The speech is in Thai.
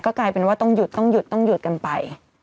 กลายเป็นว่าต้องหยุดต้องหยุดต้องหยุดกันไป